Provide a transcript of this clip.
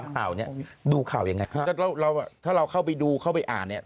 มีแล้วก็เลือกไปแล้ว